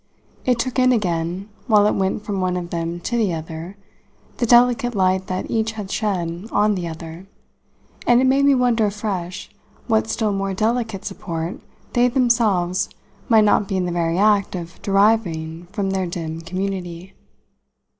It took in again, while it went from one of them to the other, the delicate light that each had shed on the other, and it made me wonder afresh what still more delicate support they themselves might not be in the very act of deriving from their dim community.